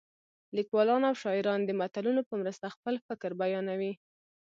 لیکوالان او شاعران د متلونو په مرسته خپل فکر بیانوي